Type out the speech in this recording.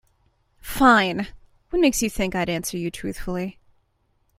Fine, what makes you think I'd answer you truthfully?